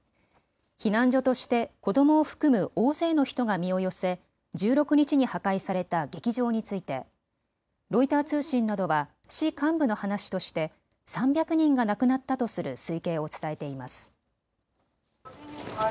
避難所として子どもを含む大勢の人が身を寄せ１６日に破壊された劇場についてロイター通信などは市幹部の話として３００人が亡くなったとする推計を伝えています。